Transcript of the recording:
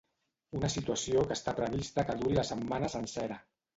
Una situació que està prevista que duri la setmana sencera.